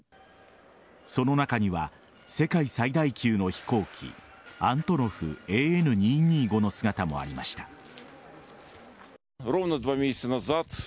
その中には世界最大級の飛行機アントノフＡｎ‐２２５の姿もありました。